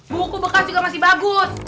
buku bekas juga masih bagus